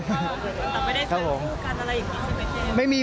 แต่ไม่ได้ซื้อคู่กันอะไรอย่างนี้ใช่ไหม